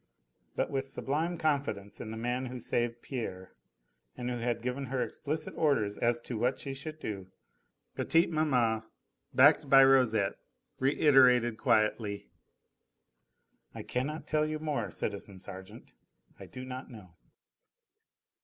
But with sublime confidence in the man who had saved Pierre and who had given her explicit orders as to what she should do, petite maman, backed by Rosette, reiterated quietly: "I cannot tell you more, citizen sergeant, I do not know."